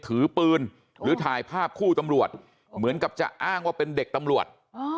ถือปืนหรือถ่ายภาพคู่ตำรวจเหมือนกับจะอ้างว่าเป็นเด็กตำรวจ